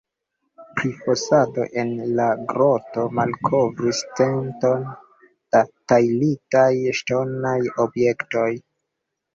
Prifosado en la groto malkovris centon da tajlitaj ŝtonaj objektoj.